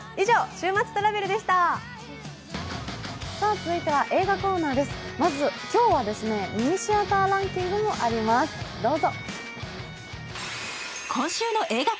続いては、映画コーナーですまず、今日はミニシアターランキングもあります、どうぞ。